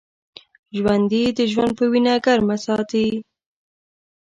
ژوندي د ژوند وینه ګرمه ساتي